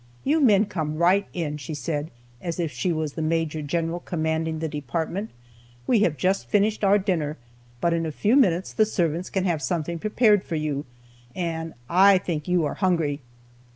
'You men come right in,' she said, as if she was the major general commanding the department. 'We have just finished our dinner, but in a few minutes the servants can have something prepared for you, and I think you are hungry.'